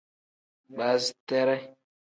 Baasiteree.